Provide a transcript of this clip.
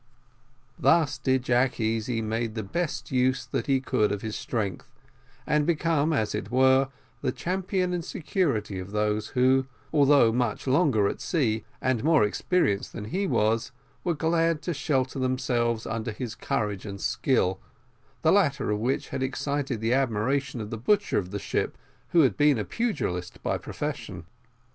Thus did Jack Easy make the best use that he could of his strength, and become, as it were, the champion and security of those who, although much longer at sea and more experienced than he was, were glad to shelter themselves under his courage and skill, the latter of which had excited the admiration of the butcher of the ship, who had been a pugilist by profession.